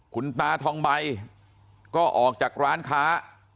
คุณตาทองใบก็ออกจากร้านค้า